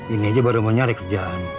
ini aja baru mau nyari kerjaan